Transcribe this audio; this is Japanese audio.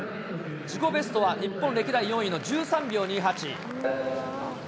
自己ベストは日本歴代４位の１３秒２８。